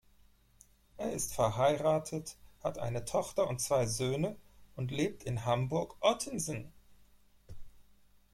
Er ist verheiratet, hat eine Tochter und zwei Söhne und lebt in Hamburg-Ottensen.